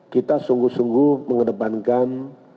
kita sungguh sungguh mengedepankan